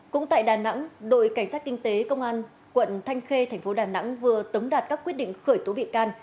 cũng tại đà nẵng đội cảnh sát kinh tế công an quận thanh khê thành phố đà nẵng vừa tống đạt các quyết định khởi tố bị can